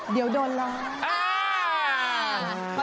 เดี๋ยวโดนละ